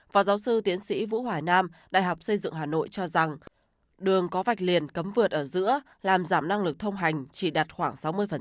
phó giáo sư tiến sĩ vũ hoài nam đại học xây dựng hà nội cho rằng đường có vạch liền cấm vượt ở giữa làm giảm năng lực thông hành chỉ đạt khoảng sáu mươi